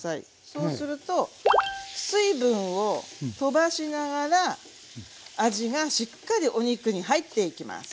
そうすると水分をとばしながら味がしっかりお肉に入っていきます。